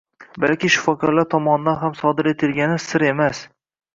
balki shifokorlar tomonidan ham sodir etilayotgani sir emas.